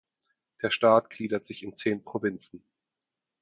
Der Staat gliedert sich in zehn Provinzen.